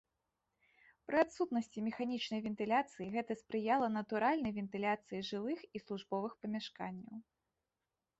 Пры адсутнасці механічнай вентыляцыі гэта спрыяла натуральнай вентыляцыі жылых і службовых памяшканняў.